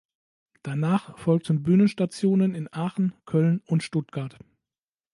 Danach folgten Bühnenstationen in Aachen, Köln und Stuttgart.